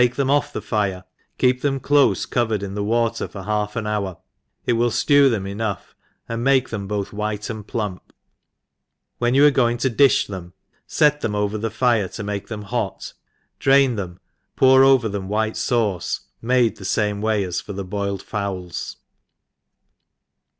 6$ them off the fire, keep them clofc covered ia the wSter for half an hour, it will ftew them enough, and make them both white and plump ; when you are going to di(h them, fet them over the fire to make them hot, drain them, pour over them white fauce made the fame way as for the boiled fowls.